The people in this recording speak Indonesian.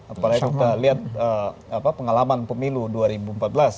apalagi kita lihat pengalaman pemilu dua ribu empat belas